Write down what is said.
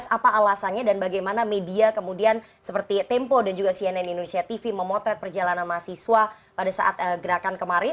apa alasannya dan bagaimana media kemudian seperti tempo dan juga cnn indonesia tv memotret perjalanan mahasiswa pada saat gerakan kemarin